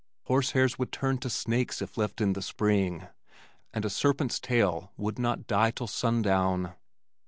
Horsehairs would turn to snakes if left in the spring, and a serpent's tail would not die till sundown.